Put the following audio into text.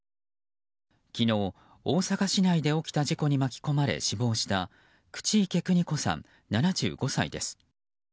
昨日、大阪市内で起きた事故に巻き込まれ死亡した口池邦子さん、７５歳です。